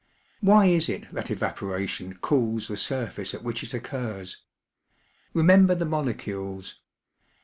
Why is it that evaporation cools the surface at which it occurs? Remember the molecules.